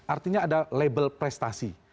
artinya ada label prestasi